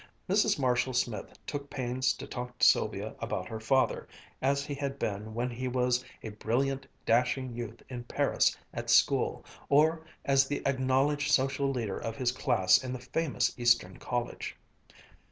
Mrs. Marshall Smith took pains to talk to Sylvia about her father as he had been when he was a brilliant dashing youth in Paris at school, or as the acknowledged social leader of his class in the famous Eastern college.